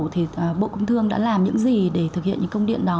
thì bộ công thương đã làm những gì để thực hiện những công điện đó